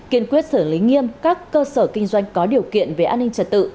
kiên quyết xử lý nghiêm các cơ sở kinh doanh có điều kiện về an ninh trật tự